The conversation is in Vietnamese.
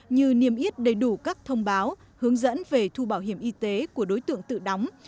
như niêm yết đầy đủ các thông báo hướng dẫn về thu bảo hiểm y tế của đối tượng tự đóng